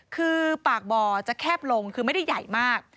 คือปากบ่อจะแคบลงคือไม่ได้ใหญ่มาก